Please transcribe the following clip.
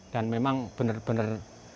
dan memang benar benar